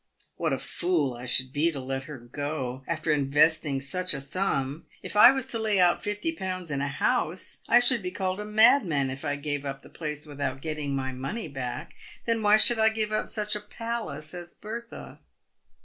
What a fool I should be to let her go, after investing such a sum ! If I was to lay out fifty pounds in a* house, I should be called a madman if I gave up the place without getting my money back. Then why should I give up such a palace as Bertha